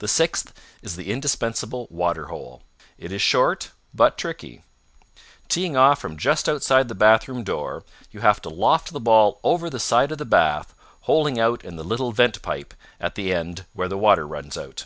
The sixth is the indispensable water hole. It is short, but tricky. Teeing off from just outside the bathroom door, you have to loft the ball over the side of the bath, holing out in the little vent pipe, at the end where the water runs out.